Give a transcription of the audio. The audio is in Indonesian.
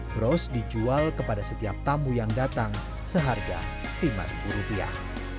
bros dijual kepada setiap tamu yang datang seharga lima rupiah